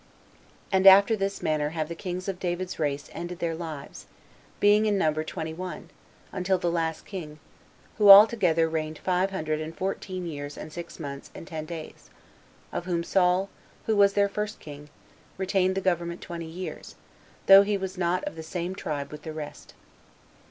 4. And after this manner have the kings of David's race ended their lives, being in number twenty one, until the last king, who all together reigned five hundred and fourteen years, and six months, and ten days; of whom Saul, who was their first king, retained the government twenty years, though he was not of the same tribe with the rest.